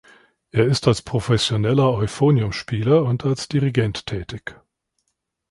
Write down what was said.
Er ist als professioneller Euphonium-Spieler und als Dirigent tätig.